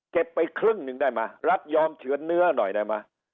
ไปครึ่งหนึ่งได้ไหมรัฐยอมเฉือนเนื้อหน่อยได้ไหม